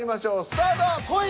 スタート！